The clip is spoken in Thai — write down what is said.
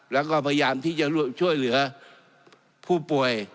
แล้วก็พยายามที่จะช่วยเหลือผู้ป่วย